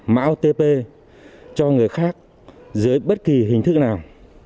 mạo tp cho người khác dưới bất kỳ hình thức nào